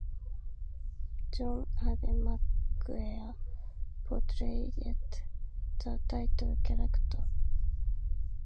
John Arden McClure portrayed the title character.